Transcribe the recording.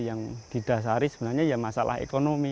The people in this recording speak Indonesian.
yang didasari sebenarnya ya masalah ekonomi